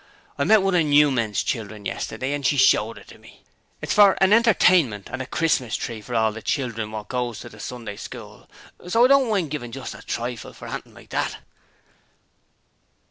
I met one of Newman's children yesterday and she showed it to me. It's for an entertainment and a Christmas Tree for all the children what goes to the Sunday School, so I didn't mind giving just a trifle for anything like that.'...